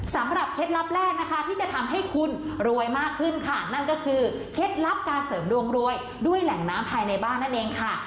เคล็ดลับแรกนะคะที่จะทำให้คุณรวยมากขึ้นค่ะนั่นก็คือเคล็ดลับการเสริมดวงรวยด้วยแหล่งน้ำภายในบ้านนั่นเองค่ะ